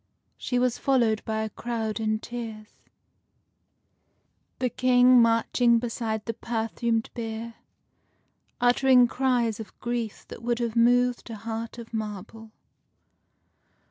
She was followed by a crowd in tears, the King marching beside the perfumed bier, uttering cries of grief that would have moved a heart of marble.